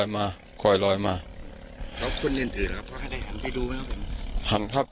เพราะคุณเหลืออื่นป่าวจะหันไปดูไหมครับ